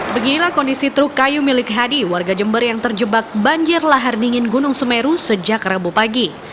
beginilah kondisi truk kayu milik hadi warga jember yang terjebak banjir lahar dingin gunung semeru sejak rabu pagi